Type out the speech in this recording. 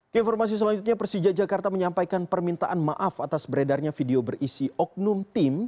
ke informasi selanjutnya persija jakarta menyampaikan permintaan maaf atas beredarnya video berisi oknum team